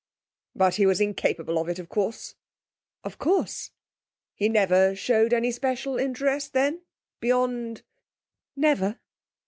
'But he was incapable of it, of course.' 'Of course.' 'He never showed any special interest, then, beyond ' 'Never.'